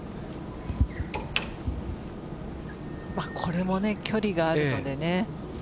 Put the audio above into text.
これも距離があるのでね。